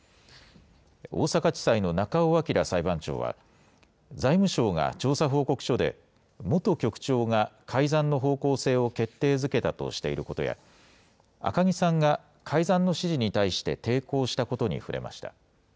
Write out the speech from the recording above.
大阪地裁の中尾彰裁判長は、財務省が調査報告書で、元局長が改ざんの方向性を決定づけたとしていることや、赤木さんが改ざんの指示に対して抵抗したことに触れました。